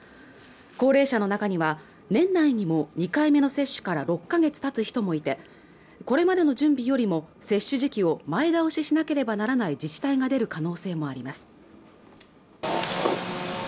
高齢者の中には年内にも２回目の接種から６ヶ月たつ人もいてこれまでの準備よりも接種時期を前倒ししなければならない自治体が出る可能性もあります